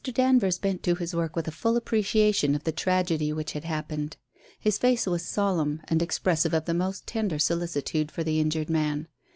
Danvers bent to his work with a full appreciation of the tragedy which had happened. His face was solemn, and expressive of the most tender solicitude for the injured man.